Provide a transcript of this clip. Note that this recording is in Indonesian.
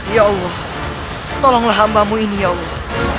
ya allah tolonglah hambamu ini ya allah